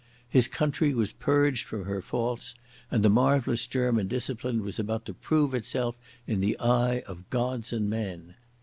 His country was purged from her faults, and the marvellous German discipline was about to prove itself in the eye of gods and men.